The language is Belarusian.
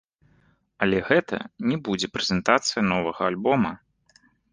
Але гэта не будзе прэзентацыя новага альбома.